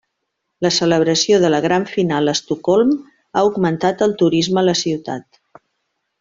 La celebració de la gran final a Estocolm ha augmentat el turisme a la ciutat.